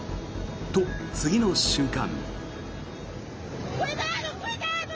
と、次の瞬間。